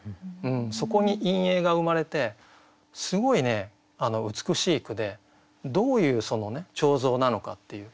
そこに陰影が生まれてすごい美しい句でどういう彫像なのかっていう。